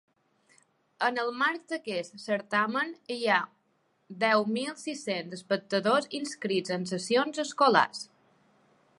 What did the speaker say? En el marc d’aquest certamen, hi ha deu mil sis-cents espectadors inscrits en sessions escolars.